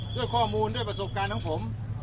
ด้วยข้อมูลด้วยประสบการณ์ของผม